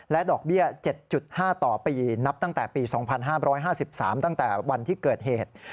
ดอกเบี้ย๗๕ต่อปีนับตั้งแต่ปี๒๕๕๓ตั้งแต่วันที่เกิดเหตุ